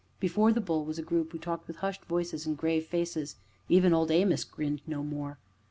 Before "The Bull" was a group who talked with hushed voices and grave faces; even Old Amos grinned no more.